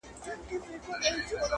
• د یوه لېوه له خولې بل ته ور لوېږي -